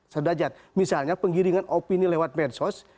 sudrajat misalnya penggiringan opini lewat medsos